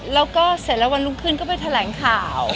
แล้วก็เสร็จแล้ววันรุ่งขึ้นก็ไปแถลงข่าว